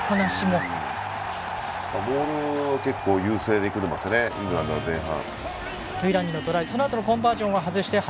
モールを結構優勢で組んでますね、イングランド前半。